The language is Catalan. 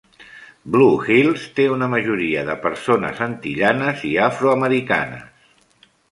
Blue Hills té una majoria de persones antillanes i afroamericanes.